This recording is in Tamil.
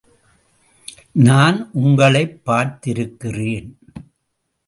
நான் உங்களைப் பார்த்திருக்கிறேன்.